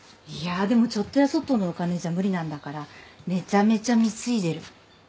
いやでもちょっとやそっとのお金じゃ無理なんだからめちゃめちゃ貢いでる。